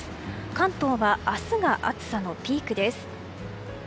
関東は明日が暑さのピークです。